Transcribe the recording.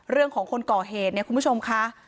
เรื่องของคนก่อเหตุคุณผู้ชมค่ะ